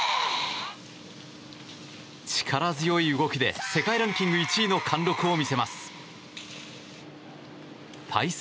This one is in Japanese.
力強い動きで世界ランキング１位の貫録を見せます。